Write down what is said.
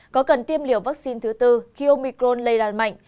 có cần tiêm liệu vaccine thứ tư khi omicron lây lan mạnh